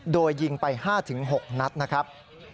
โดยยิงไป๕๖นัดนะครับ